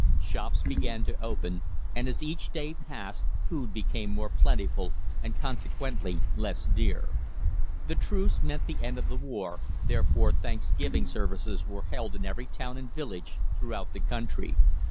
Shops began to open, and as each day passed, food became more plentiful and consequently less dear. The truce meant the end of the war, therefore thanksgiving services were held in every town and village throughout the country.